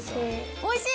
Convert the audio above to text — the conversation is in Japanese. おいしい。